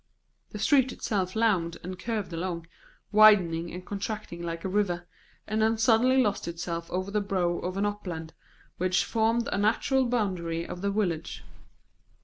The street itself lounged and curved along, widening and contracting like a river, and then suddenly lost itself over the brow of an upland which formed a natural boundary of the village.